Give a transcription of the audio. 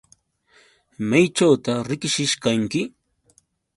¿Mayćhuta riqsishqanki?